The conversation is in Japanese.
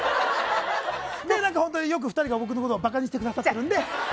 本当に２人が僕のことをよくバカにしてくださってるんで。